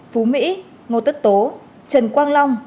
phú mỹ ngô tất tố trần quang long